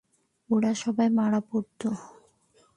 ওরা সবাই মারা পড়ত।